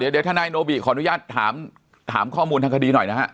เดี๋ยวทนายโนบิขออนุญาตถามข้อมูลทางคดีหน่อยนะฮะ